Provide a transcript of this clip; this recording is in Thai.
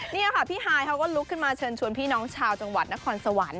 นี่ค่ะพี่ฮายเขาก็ลุกขึ้นมาเชิญชวนพี่น้องชาวจังหวัดนครสวรรค์